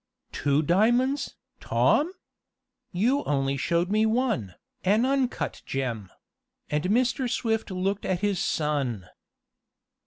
"Two diamonds, Tom? You only showed me one, an uncut gem;" and Mr. Swift looked at his son.